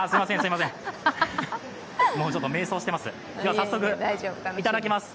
早速、いただきます。